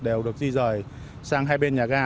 đều được di dợi sang hai bên nhà ga